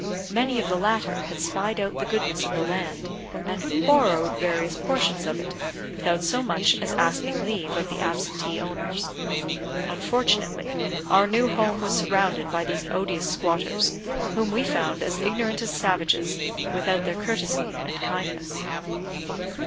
Many of the latter had spied out the goodness of the land, and borrowed various portions of it, without so much as asking leave of the absentee owners. Unfortunately, our new home was surrounded by these odious squatters, whom we found as ignorant as savages, without their courtesy and kindness.